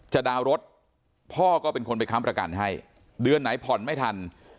ดาวน์รถพ่อก็เป็นคนไปค้ำประกันให้เดือนไหนผ่อนไม่ทัน